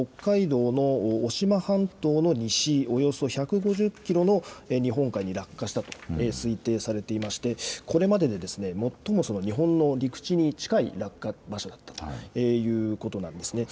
このときは北海道の渡島半島の西およそ１５０キロの日本海に落下したと推定されていましてこれまでで最も日本の陸地に近い落下場所だったということなんです。